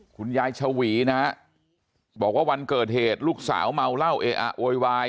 คุณยายชวีนะฮะบอกว่าวันเกิดเหตุลูกสาวเมาเหล้าเออะโวยวาย